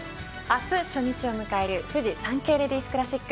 明日、初日を迎えるフジサンケイレディスクラシック